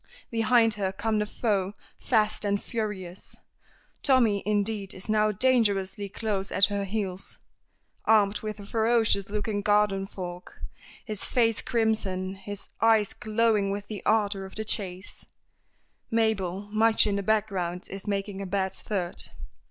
Behind her come the foe, fast and furious. Tommy, indeed, is now dangerously close at her heels, armed with a ferocious looking garden fork, his face crimson, his eyes glowing with the ardor of the chase; Mabel, much in the background, is making a bad third.